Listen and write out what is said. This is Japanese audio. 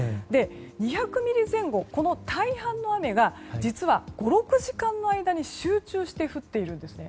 ２００ミリ前後、この大半の雨が実は５６時間の間に集中して降っているんです。